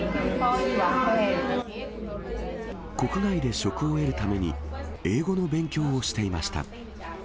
国外で職を得るために、英語の勉強をしていました。